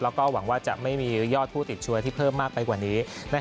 แล้วก็หวังว่าจะไม่มียอดผู้ติดเชื้อที่เพิ่มมากไปกว่านี้